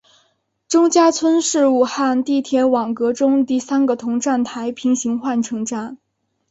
钟家村是武汉地铁网络中第三个同站台平行换乘站。